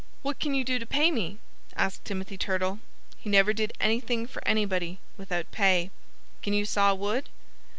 "What can you do to pay me?" asked Timothy Turtle. He never did anything for anybody without pay. "Can you saw wood?"